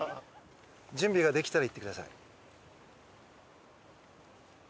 準備ができたら言ってください。